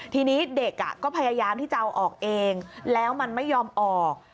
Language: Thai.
ทีนี้เด็กก็พยายามที่จะเอาออกเองแล้วมันไม่ยอมออก